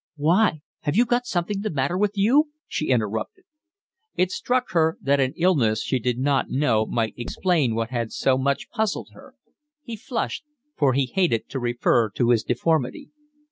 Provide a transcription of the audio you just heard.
"Why, have you got something the matter with you?" she interrupted. It struck her that an illness she did not know might explain what had so much puzzled her. He flushed, for he hated to refer to his deformity.